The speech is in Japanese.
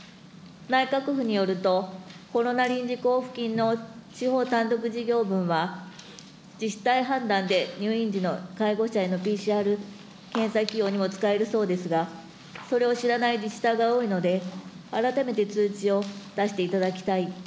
内閣府によると、コロナ臨時交付金の地方単独事業分は、自治体判断で入院時の介護者へのＰＣＲ検査費用にも使えるそうですが、それを知らない自治体が多いので、改めて通知を出していただきたい。